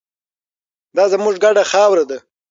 دا زموږ ګډه خاوره ده.